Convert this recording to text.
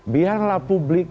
biar lah publik